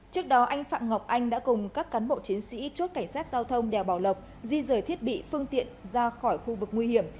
trước đó anh phạm ngọc anh đã cùng các cán bộ chiến sĩ chốt cảnh sát giao thông đèo bảo lộc di rời thiết bị phương tiện ra khỏi khu vực nguy hiểm